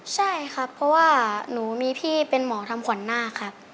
ใช่ครับเพราะว่าหนูมีพี่เป็นหมอทำขวัญหน้าครับ